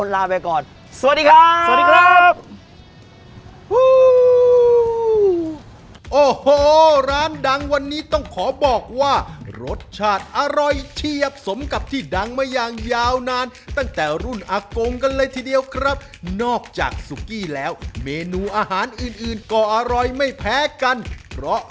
และวันนี้นะครับเวลาหมดลงไปแล้วนะครับพวกผม